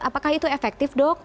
apakah itu efektif dok